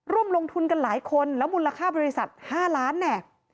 ร่วมลงทุนกันหลายคนแล้วมูลค่าบริษัท๕ล้านเนี่ย